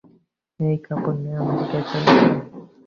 এই কাপড় নিয়ে আমেরিকায় চলে যা।